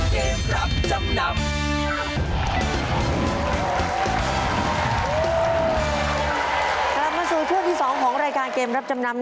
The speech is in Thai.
กลับมาสู่ช่วงที่๒ของรายการเกมรับจำนำ